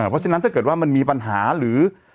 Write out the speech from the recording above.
เพราะฉะนั้นถ้าเกิดว่ามันมีปัญหาหรือ